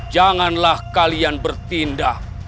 janganlah kalian bertindak